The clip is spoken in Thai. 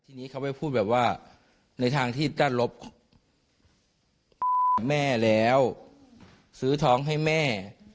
ทีนี้เขาไปพูดแบบว่าในทางที่ด้านลบแม่แล้วซื้อท้องให้แม่